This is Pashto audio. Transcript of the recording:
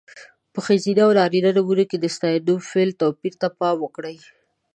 په ښځینه او نارینه نومونو کې د ستاینوم، فعل... توپیر ته پام وکړئ.